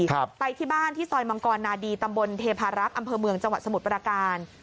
ครับไปที่บ้านที่ซอยมังกรนาดีตำบลเทพารักษ์อำเภอเมืองจังหวัดสมุทรประการ